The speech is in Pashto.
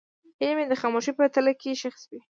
هیلې مې د خاموشۍ په تله کې ښخې شوې.